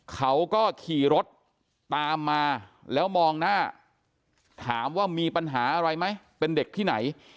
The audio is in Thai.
เขาก็ขี่รถตามมาแล้วมองหน้าถามว่ามีปัญหาอะไรไหมเป็นเด็กที่ไหน